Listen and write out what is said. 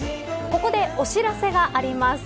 ここでお知らせがあります。